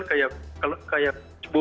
masih di akun media sosial kayak facebook